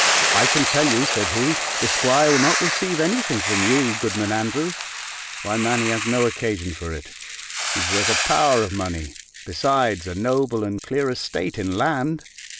"I can tell you," said he, "the 'squire will not receive any thing from you, Goodman Andrews. Why, man, he has no occasion for it: he's worth a power of money, besides a noble and clear estate in land.